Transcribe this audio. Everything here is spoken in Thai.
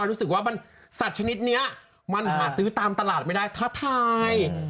รู้สึกว่าสัตว์ชนิดนี้มันหาซื้อตามตลาดไม่ได้ท้าทาย